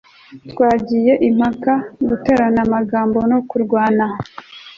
twagize impaka, guterana amagambo, no kurwana